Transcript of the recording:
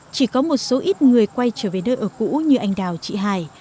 chỉ có một số ít người quay trở về nơi ở cũ như anh đào chị hải